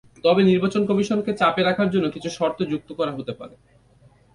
তবে নির্বাচন কমিশনকে চাপে রাখার জন্য কিছু শর্ত যুক্ত করা হতে পারে।